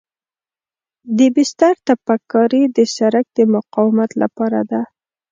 د بستر تپک کاري د سرک د مقاومت لپاره ده